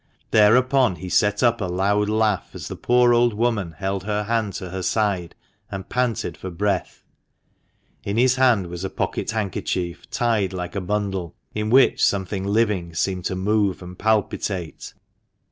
Thereupon he set up a loud laugh as the poor old woman held her hand to her side, and panted for breath. In his hand was his pocket handkerchief, tied like a bundle, in which something living seemed to move and palpitate.